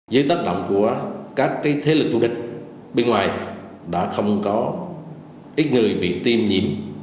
dưới tác động của các thế lực thủ địch bên ngoài đã không có ít người bị tiêm nhiễm